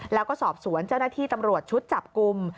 แล้วก็สอบสวนเจ้าหน้าที่ตำรวจชุดจับกลุ่ม